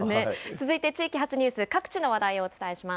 続いて地域発ニュース、各地の話題をお伝えします。